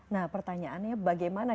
nah pertanyaannya bagaimana